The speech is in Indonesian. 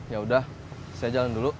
ya udah saya jalan dulu